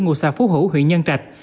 ngụ xã phú hữu huyền nhân trạch